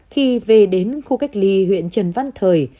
khi về đến khu cách ly huyện trần văn thời